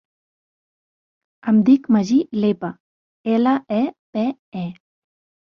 Em dic Magí Lepe: ela, e, pe, e.